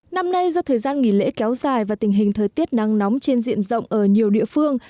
năm nay do thời gian nghỉ lễ kéo dài và tình hình thời tiết nắng nóng trên diện rộng ở nhiều địa phương